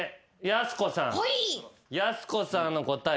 やす子さんの答え